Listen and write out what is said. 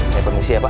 saya permisi ya pak